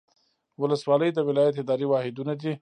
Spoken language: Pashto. ولسوالۍ د ولایت اداري واحدونه دي